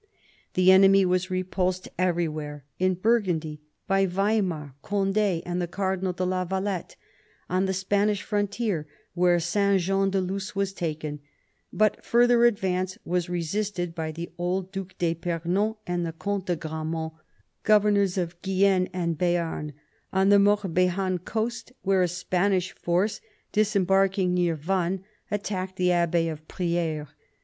The enemy was repulsed everywhere : in Burgundy, by Weimar, Cond6, and the Cardinal de la Valette ; on the Spanish frontier, where St. Jean de Luz was taken, but further advance was resisted by the old Due d'fipernon and the Comte de Grammont, governors of Guyenne and of B6arn ; on the Morbihan coast, where a Spanish force, disembarking near Vannes, attacked the Abbey of Priferes.